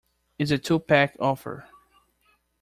It's a two-pack offer.